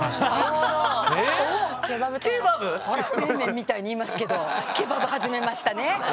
ケバブ⁉冷麺みたいに言いますけどケバブ始めましたね。